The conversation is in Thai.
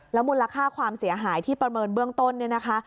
มูลค่าความเสียหายที่ประเมินเบื้องต้นเนี่ยนะคะ